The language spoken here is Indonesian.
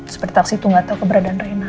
super taksi itu nggak tahu keberadaan rina